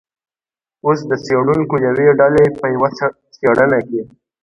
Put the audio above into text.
اوس د څیړونکو یوې ډلې په یوه څیړنه کې